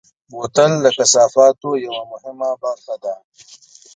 بوتل د کثافاتو یوه مهمه برخه ده.